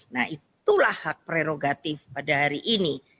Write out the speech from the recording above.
nah itulah hak prerogatif pada hari ini